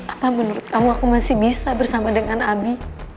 apa menurut kamu aku masih bisa bersama dengan abi